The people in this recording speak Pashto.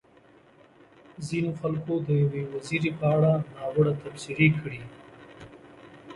ځينو خلکو د يوې وزيرې په اړه ناوړه تبصرې کړې.